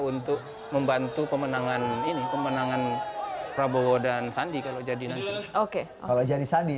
untuk membantu pemenangan ini pemenangan prabowo dan sandi kalau jadi nanti oke kalau jadi sandi